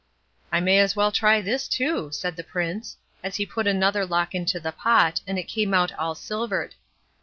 "I may as well try this too", said the Prince, as he put another lock into the pot, and it came out all silvered.